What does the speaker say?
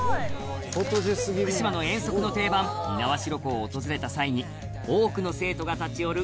福島の遠足の定番猪苗代湖を訪れた際に多くの生徒が立ち寄る